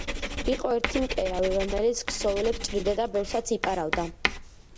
იყო ერთი მკერავი, რომელიც ქსოვილებს ჭრიდა და ბევრსაც იპარავდა